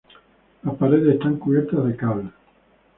Las paredes están cubiertas de cal.